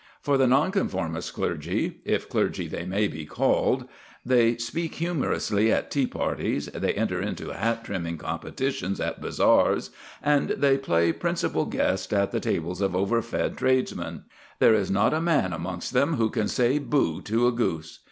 For the Nonconformist clergy, if clergy they may be called, they speak humorously at tea parties, they enter into hat trimming competitions at bazaars, and they play principal guest at the tables of over fed tradesmen. There is not a man amongst them who can say boo to a goose.